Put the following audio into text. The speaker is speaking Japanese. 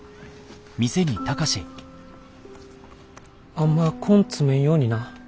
あんま根詰めんようにな。